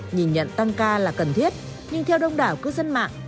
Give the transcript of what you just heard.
nhìn nhận tăng ca là cần thiết nhưng theo đông đảo cư dân mạng